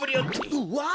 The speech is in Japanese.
うわ。